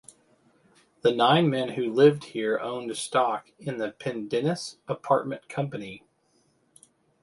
The nine men who lived here owned stock in the Pendennis Apartment Company.